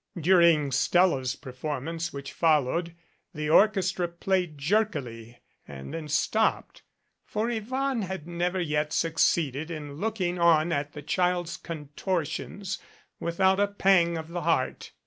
During Stella's performance, which followed, the orchestra played jerkily and then stopped, for Yvonne had never yet succeeded in looking on at the child's con 200 MOUNTEBANKS tortions without a pang of the heart.